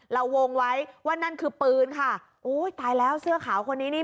เราวงไว้ว่านั่นคือปืนค่ะโอ้ยตายแล้วเสื้อขาวคนนี้นี่